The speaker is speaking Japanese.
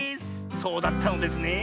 そうだったのですね。